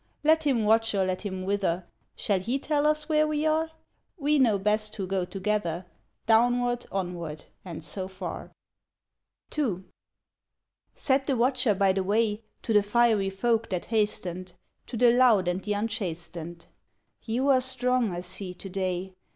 Let him watch or let him wither, — Shall he tell us where we are? We know best who go together, Downward, onward, and so far." 113] n Said the Watcher by the Way To the fiery folk that hastened, To the loud and the unchastened, "You are strong, I see, to day.